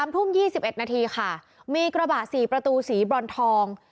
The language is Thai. ๓ทุ่ม๒๑นาทีค่ะมีกระบะ๔ประตูสีบรอนทอง